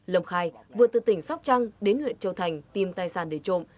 lâm khai vừa từ tỉnh sóc trăng đến huyện châu thành tìm tài sản để trộm